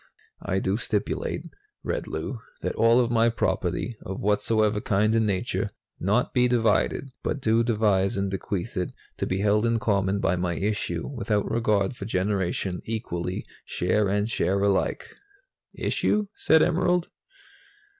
"'I do stipulate,'" read Lou, "'that all of my property, of whatsoever kind and nature, not be divided, but do devise and bequeath it to be held in common by my issue, without regard for generation, equally, share and share alike.'" "Issue?" said Emerald.